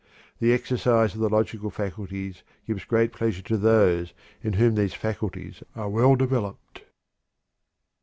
The exercise of the logical faculties gives great pleasure to those in whom these faculties are well developed.